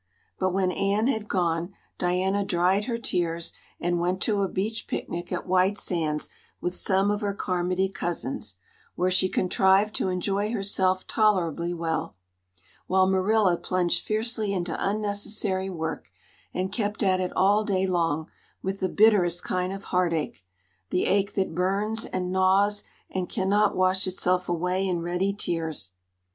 But when Anne had gone Diana dried her tears and went to a beach picnic at White Sands with some of her Carmody cousins, where she contrived to enjoy herself tolerably well; while Marilla plunged fiercely into unnecessary work and kept at it all day long with the bitterest kind of heartache the ache that burns and gnaws and cannot wash itself away in ready tears.